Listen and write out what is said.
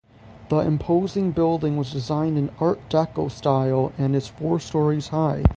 The imposing building was designed in Art Deco style and is four stories high.